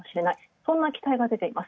そんな期待が出ています。